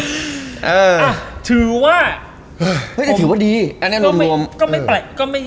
เออถือว่าเฮ้ยแต่ถือว่าดีอันเนี้ยโรงโรมก็ไม่แปลกก็ไม่